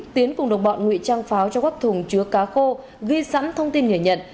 tiến cùng đồng bọn nguy trang pháo cho quốc thùng chứa cá khô ghi sẵn thông tin nhờ nhận